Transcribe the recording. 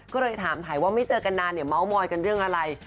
ก็เลยถามถ่ายว่าไม่เจอกันนานเนี่ยเมาส์มอยกันเรื่องอะไร